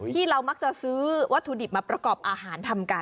ที่เรามักจะซื้อวัตถุดิบมาประกอบอาหารทำกัน